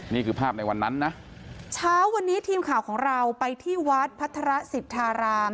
นี่คือภาพในวันนั้นนะเช้าวันนี้ทีมข่าวของเราไปที่วัดพัฒระสิทธาราม